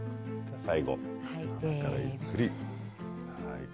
最後、鼻からゆっくり。